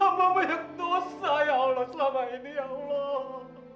hamba banyak dosa ya allah selama ini ya allah